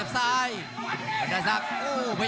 รับทราบบรรดาศักดิ์